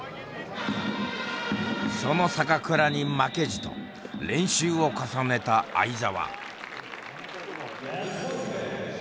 その坂倉に負けじと練習を重ねた會澤。